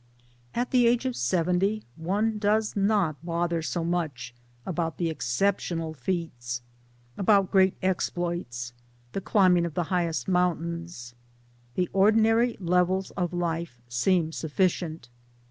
At the age of seventy one does not bother so much about the exceptional feats, about great exploits, the climbing of the highest mountains. The ordinary levels of life seem sufficient.